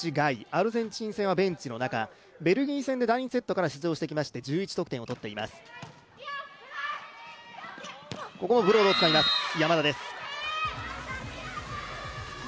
アルゼンチン戦はベンチの中、ベルギー戦で第２セットから出場してきまして１２得点を取っています。